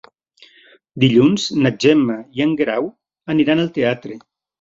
Dilluns na Gemma i en Guerau aniran al teatre.